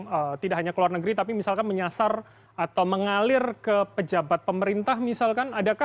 yang tidak hanya ke luar negeri tapi misalkan menyasar atau mengalir ke pejabat pemerintah misalkan adakah